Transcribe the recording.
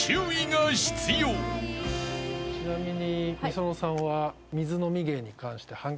ちなみに。